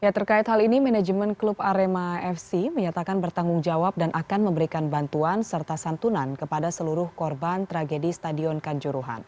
terkait hal ini manajemen klub arema fc menyatakan bertanggung jawab dan akan memberikan bantuan serta santunan kepada seluruh korban tragedi stadion kanjuruhan